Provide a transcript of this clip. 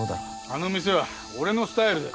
あの店は俺のスタイルで